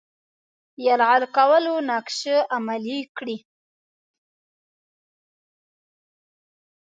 یرغل کولو نقشه عملي کړي.